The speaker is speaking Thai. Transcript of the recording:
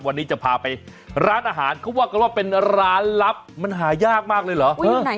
วันนี้จะพาไปร้านอาหารเขาว่ากันว่าเป็นร้านลับมันหายากมากเลยเหรอ